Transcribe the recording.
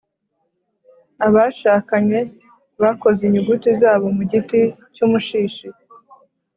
abashakanye bakoze inyuguti zabo mu giti cy'umushishi